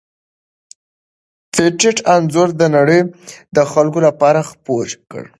پېټټ انځور د نړۍ د خلکو لپاره خپور کړ.